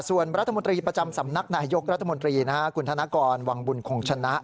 ส่วนรัฐมนตรีประจำสำนักนายยกรัฐมนตรีคุณธนกรวังบุญคงชนะ